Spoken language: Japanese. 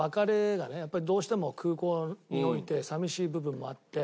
やっぱりどうしても空港において寂しい部分もあって。